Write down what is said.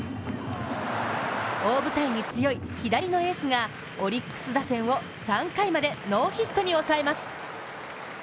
大舞台に強い左のエースがオリックス打線を３回までノーヒットに抑えます。